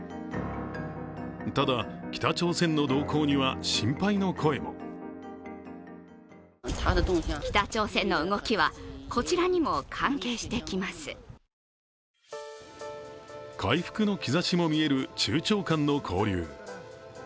ただ、北朝鮮の動向には心配の声も回復の兆しもみえる中朝間の交流。